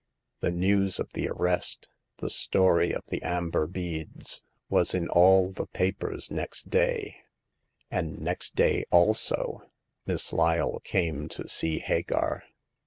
The news of the arrest, the story of the amber beads, was in all the papers next day ; and next day, also, Miss Lyle came to see Hagar.